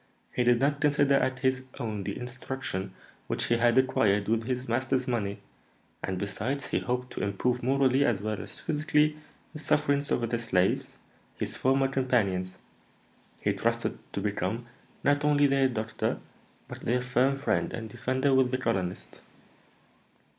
He did not consider as his own the instruction which he had acquired with his master's money; and, besides, he hoped to improve morally as well as physically the sufferings of the slaves, his former companions; he trusted to become not only their doctor, but their firm friend and defender with the colonist."